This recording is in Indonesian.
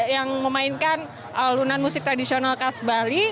yang memainkan alunan musik tradisional khas bali